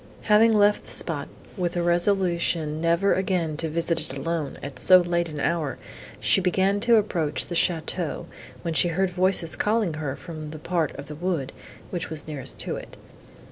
Having left the spot, with a resolution never again to visit it alone, at so late an hour, she began to approach the château, when she heard voices calling her from the part of the wood, which was nearest to it.